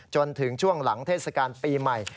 จนถึงช่วงหลังเทศกาลปีใหม่